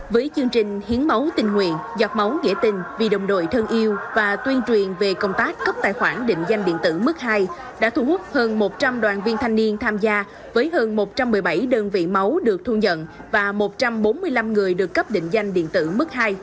với chương trình hiến máu tình nguyện giọt máu nghĩa tình vì đồng đội thân yêu và tuyên truyền về công tác cấp tài khoản định danh điện tử mức hai đã thu hút hơn một trăm linh đoàn viên thanh niên tham gia với hơn một trăm một mươi bảy đơn vị máu được thu nhận và một trăm bốn mươi năm người được cấp định danh điện tử mức hai